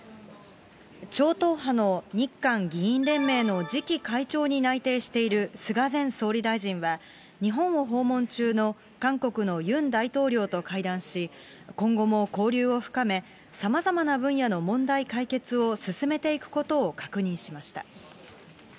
超党派の日韓議員連盟の次期会長に内定している菅前総理大臣は、日本を訪問中の韓国のユン大統領と会談し、今後も交流を深め、さまざまな分野の問題解決を進めていくことを確認しました。